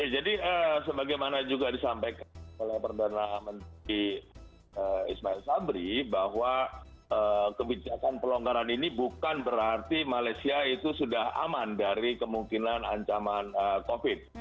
jadi sebagaimana juga disampaikan oleh perdana menteri ismail sabri bahwa kebijakan pelonggaran ini bukan berarti malaysia itu sudah aman dari kemungkinan ancaman covid